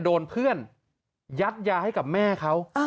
โดนเพื่อนยัดยาให้กับแม่เขา